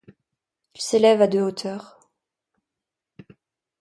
Il s'élève à de hauteur.